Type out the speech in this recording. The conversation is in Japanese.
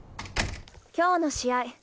今日の試合